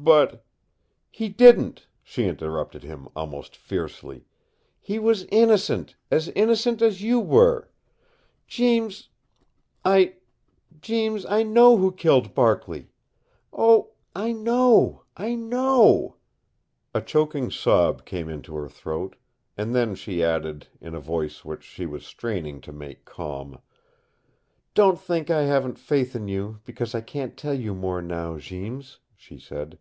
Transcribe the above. "But " "He DIDN'T," she interrupted him, almost fiercely. "He was innocent, as innocent as you were. Jeems I Jeems I know who killed Barkley. Oh, I KNOW I KNOW!" A choking sob came into her throat, and then she added, in a voice which she was straining to make calm, "Don't think that I haven't faith in you because I can't tell you more now, Jeems," she said.